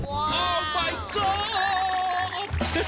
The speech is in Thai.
ว้าวโอ้มายก็อด